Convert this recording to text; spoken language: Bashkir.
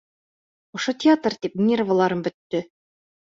Ошо театр тип нервыларым бөттө.